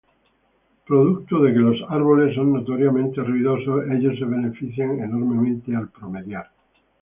Producto de que los árboles son notoriamente ruidosos, ellos se benefician enormemente al promediar.